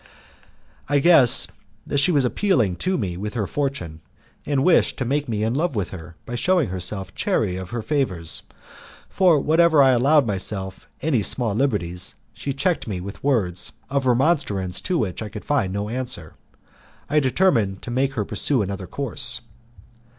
I guessed that she was appealing to me with her fortune, and wished to make me in love with her by shewing herself chary of her favours; for whenever I allowed myself any small liberties, she checked me with words of remonstrance to which I could find no answer. I determined to make her pursue another course.